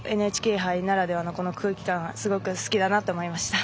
ＮＨＫ杯ならではの空気感がすごく好きだなと思いました。